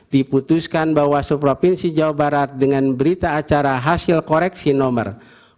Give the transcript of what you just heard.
diputuskan bawaslu provinsi jawa barat dengan berita acara hasil koreksi nomor